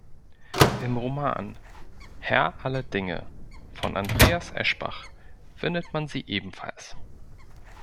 Im Roman Herr aller Dinge von Andreas Eschbach findet man sie ebenfalls.